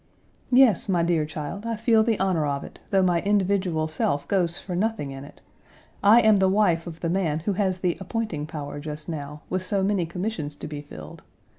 "Yes, my dear child, I feel the honor of it, though my individual self goes for nothing in it. I am the wife of the man who has the appointing power just now, with so many commissions to be filled.